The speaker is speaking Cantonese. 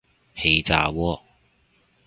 氣炸鍋